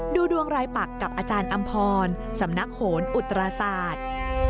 ดูดวงรายปักกับอาจารย์อำพรสำนักโหนอุตราศาสตร์